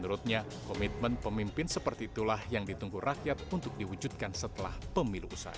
menurutnya komitmen pemimpin seperti itulah yang ditunggu rakyat untuk diwujudkan setelah pemilu usai